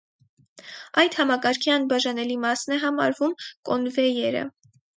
Այդ համակարգի անբաժանելի մասն է համարվում կոնվեյերը։